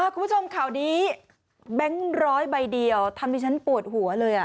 คุณผู้ชมข่าวนี้แบงค์ร้อยใบเดียวทำให้ฉันปวดหัวเลย